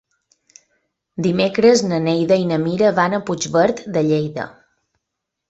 Dimecres na Neida i na Mira van a Puigverd de Lleida.